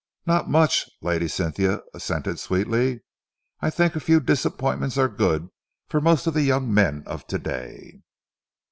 "Not much," Lady Cynthia assented sweetly. "I think a few disappointments are good for most of the young men of to day."